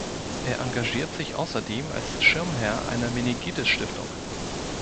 Er engagiert sich außerdem als Schirmherr einer Meningitis-Stiftung.